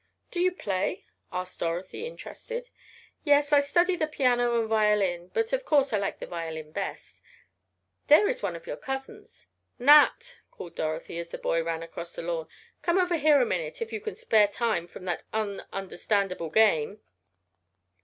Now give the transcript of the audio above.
"Do you play?" asked Dorothy, interested. "Yes, I study the piano and violin, but of course I like the violin best. There is one of your cousins " "Nat!" called Dorothy, as that boy ran across the lawn. "Come over here a minute, if you can spare time from that un understandable game."